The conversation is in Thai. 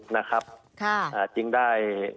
นะครับจึงได้